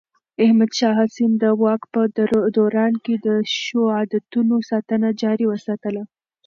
احمد شاه حسين د واک په دوران کې د ښو عادتونو ساتنه جاري وساتله.